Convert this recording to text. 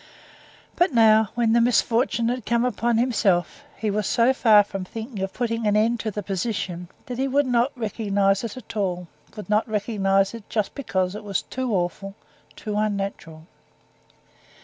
But now, when the misfortune had come upon himself, he was so far from thinking of putting an end to the position that he would not recognize it at all, would not recognize it just because it was too awful, too unnatural.